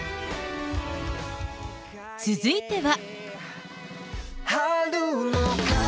続いては。